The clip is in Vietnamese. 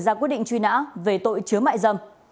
ra quyết định truy nã về tội chứa mại dâm